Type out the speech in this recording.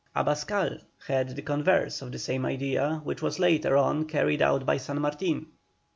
Abascal had the converse of the same idea, which was later on carried out by San Martin.